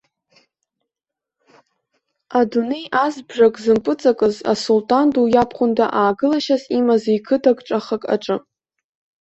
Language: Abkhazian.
Адунеи азбжак зымпыҵакыз асулҭан ду иабхәында аагылашьас имазеи қыҭа кҿахак аҿы.